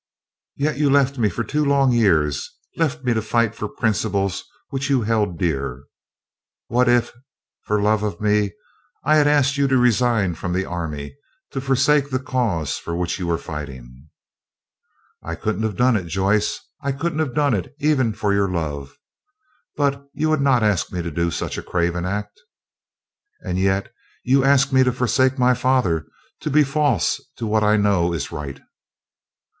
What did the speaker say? "Yet you left me for two long years, left me to fight for principles which you held dear. What if, for love of me, I had asked you to resign from the army, to forsake the cause for which you were fighting?" "I couldn't have done it, Joyce. I couldn't have done it, even for your love. But you would not ask me to do such a craven act." "And yet you ask me to forsake my father, to be false to what I know is right."